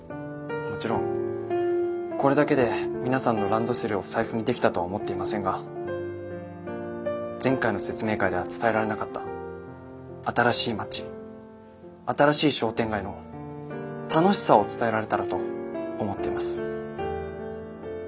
もちろんこれだけで皆さんのランドセルを財布にできたとは思っていませんが前回の説明会では伝えられなかった新しい町新しい商店街の楽しさを伝えられたらと思っています。